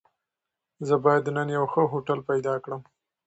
زه بايد نن يو ښه هوټل پيدا کړم.